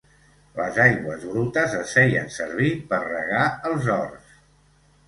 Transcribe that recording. Les aigües brutes es feien servir per regar els horts.